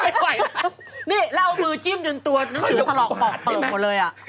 นี่แล้วเอามือจิ้มถึงตัวหนังสือถหลอกเปิกไปเลยอะ